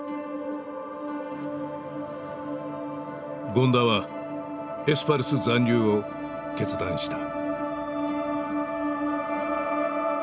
権田はエスパルス残留を決断した。